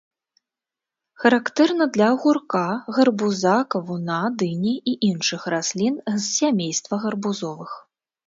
Характэрна для агурка, гарбуза, кавуна, дыні і іншых раслін з сямейства гарбузовых.